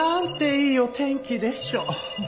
いいお天気でしょう。